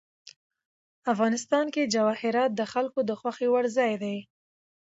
افغانستان کې جواهرات د خلکو د خوښې وړ ځای دی.